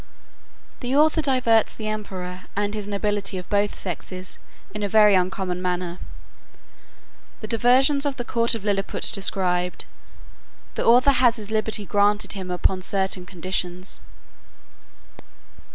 The author diverts the emperor, and his nobility of both sexes, in a very uncommon manner. The diversions of the court of Lilliput described. The author has his liberty granted him upon certain conditions.